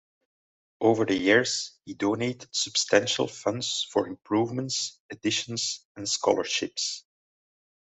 Over the years, he donated substantial funds for improvements, additions, and scholarships.